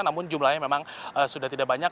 namun jumlahnya memang sudah tidak banyak